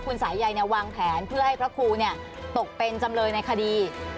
คุณสายใยวางแผนเพื่อให้พระครูตกเป็นจำเลยในคดี